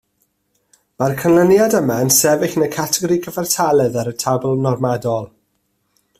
Mae'r canlyniad yma yn sefyll yn y categori cyfartaledd ar y tabl normadol